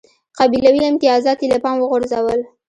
قبیلوي امتیازات یې له پامه وغورځول.